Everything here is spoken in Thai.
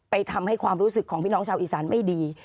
ทำให้ความรู้สึกของพี่น้องชาวอีสานไม่ดี